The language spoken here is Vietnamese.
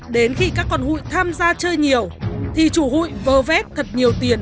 đến khi các con hụi tham gia chơi nhiều thì chủ hụi vơ vét thật nhiều tiền